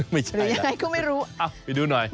ไม่ใช่แหละไปดูหน่อยหรือยังไงก็ไม่รู้